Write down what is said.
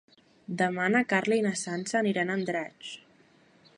Demà na Carla i na Sança aniran a Andratx.